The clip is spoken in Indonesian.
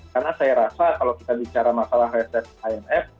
karena saya rasa kalau kita bicara masalah restrukturisasi imf